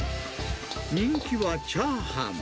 人気はチャーハン。